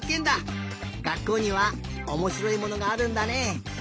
がっこうにはおもしろいものがあるんだね。